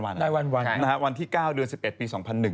วันที่๙เดือน๑๑ปี๒๐๐๑